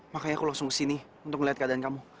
makanya aku langsung kesini untuk melihat keadaan kamu